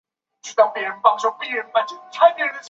鞍叶藓为细鳞藓科鞍叶藓属下的一个种。